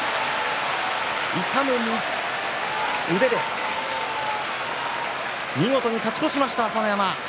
痛む腕で見事に勝ち越しました朝乃山。